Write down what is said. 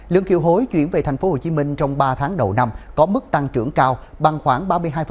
lượng kiều hối chuyển về tp hcm trong ba tháng đầu năm có mức tăng trưởng cao bằng khoảng ba mươi hai